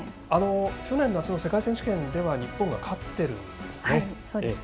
去年夏の世界選手権では日本が勝ってるんですね。